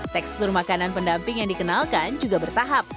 tekstur makanan pendamping yang dikenalkan juga bertahap